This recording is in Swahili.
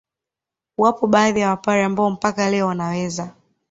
Wapo baadhi ya Wapare ambao mpaka leo wanaweza